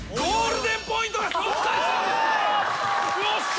よっしゃ！